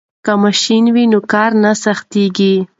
که ماشین وي نو کار نه سختیږي.